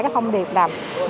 các thông điệp là